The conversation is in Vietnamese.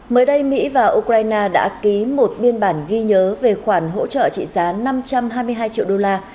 mới đây mỹ và ukraine đã ký một biên bản ghi nhớ về khoản hỗ trợ trị giá năm trăm hai mươi hai triệu đô la